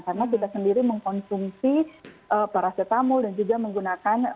karena kita sendiri mengkonsumsi parasetamol dan juga menggunakan